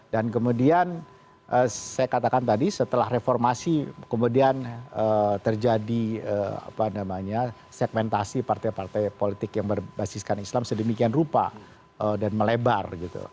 dan kemudian saya katakan tadi setelah reformasi kemudian terjadi segmentasi partai partai politik yang berbasiskan islam sedemikian rupa dan melebar